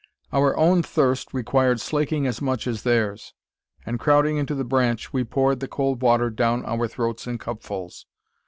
Our own thirst required slaking as much as theirs; and, crowding into the branch, we poured the cold water down our throats in cupfuls.